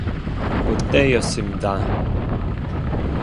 그 때였습니다.